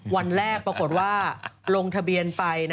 วันแรกปรากฏว่าลงทะเบียนไป